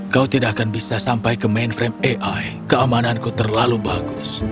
kau tidak akan bisa sampai ke mainframe ai keamananku terlalu bagus